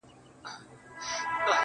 موږه يې ښه وايو پر موږه خو ډير گران دی .